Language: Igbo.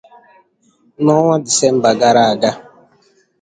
N’ọnwa disemba gara aga